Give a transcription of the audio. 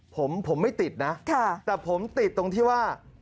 ผมผมไม่ติดนะแต่ผมติดตรงที่ว่า